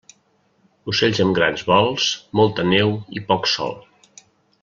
Ocells amb grans vols, molta neu i poc sol.